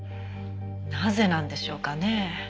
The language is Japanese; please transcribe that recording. なぜなんでしょうかね？